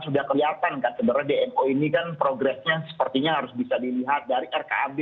sudah kelihatan kan sebenarnya dmo ini kan progresnya sepertinya harus bisa dilihat dari rkab